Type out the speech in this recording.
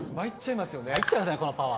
まいっちゃいますね、このパワー。